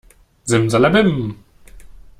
Simsalabim!